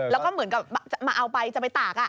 แล้วก็เหมือนกับจะมาเอาไปจะไปตาก